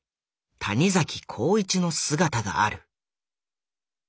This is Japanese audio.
谷崎弘一の姿がある。